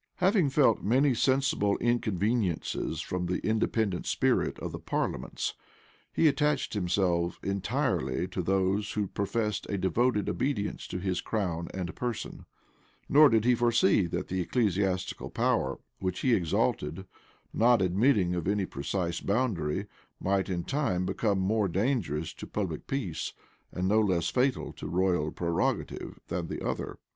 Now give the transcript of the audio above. Having felt many sensible inconveniencies from the independent spirit of parliaments, he attached himself entirely to those who professed a devoted obedience to his crown and person; nor did he foresee, that the ecclesiastical power which he exalted, not admitting of any precise boundary, might in time become more dangerous to public peace, and no less fatal to royal prerogative, than the other.